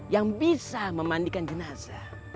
yang bisa memandikan jenazah